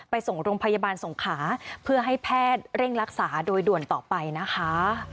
ไปส่งโรงพยาบาลสงขาเพื่อให้แพทย์เร่งรักษาโดยด่วนต่อไปนะคะ